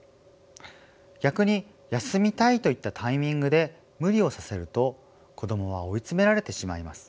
逆に「休みたい」と言ったタイミングで無理をさせると子どもは追い詰められてしまいます。